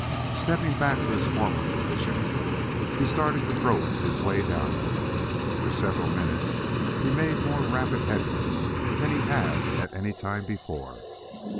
Stepping back to his former position, he started to grope his way downward. For several minutes he made more rapid headway than he had at any time before.